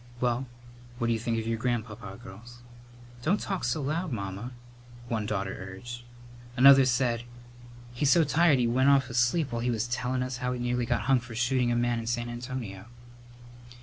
Well, what d'you think of your grandpapa, girls?" "Don't talk so loud, Mamma," one daughter urged. Another said, "He's so tired he went off asleep while he was telling us how he nearly got hung for shooting a man in San Antonio."